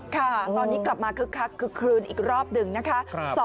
ค่ะตอนนี้กลับมาคึกคักคึกคลืนอีกรอบหนึ่งนะคะ